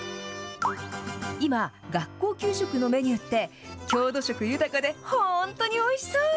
今、学校給食のメニューって、郷土色豊かで本当においしそう。